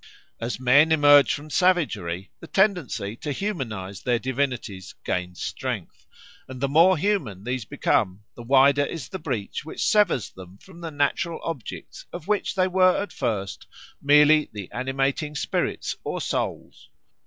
As men emerge from savagery the tendency to humanise their divinities gains strength; and the more human these become the wider is the breach which severs them from the natural objects of which they were at first merely the animating spirits or souls.